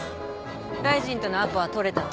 大臣とのアポは取れたの？